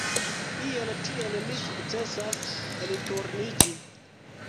Iel tiel mi sukcesas elturniĝi.